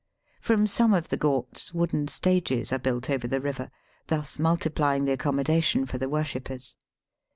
From some of the ghats wooden stages are built over the river, thus multiplying the accommodation for the worshippers.